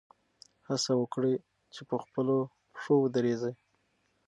هڅه وکړئ چې په خپلو پښو ودرېږئ.